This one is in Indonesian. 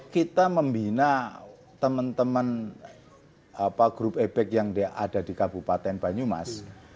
kita membina teman teman grup ebek yang ada di kabupaten banyumas